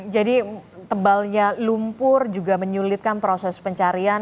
jadi tebalnya lumpur juga menyulitkan proses pencarian